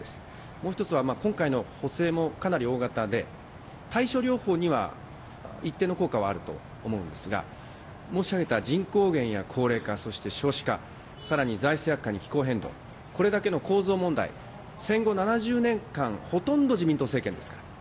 もう１つは、今回の補正もかなり大型で、対処療法には一定の効果はあると思うんですが、申し上げた人口減や高齢化、そして少子化、さらに財政悪化に気候変動、これだけの構造問題、戦後７０年間、ほとんど自民党政権ですから。